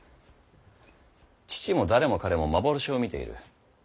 父も誰も彼も幻を見ている。